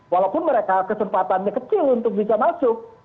walaupun mereka kesempatannya kecil untuk bisa masuk